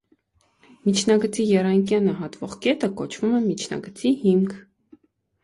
Միջնագծի եռանկյանը հատվող կետը կոչվում է միջնագծի հիմք։